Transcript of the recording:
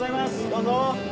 どうぞ。